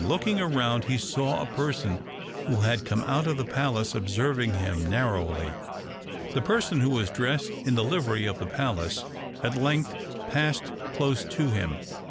Looking round, he saw a person who had come out of the palace observing him narrowly. The person, who was dressed in the livery of the palace, at length passed close to him.